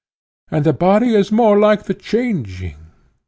And the body is more like the changing?